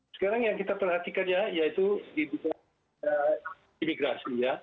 sekarang yang kita perhatikan yaitu di bidang imigrasi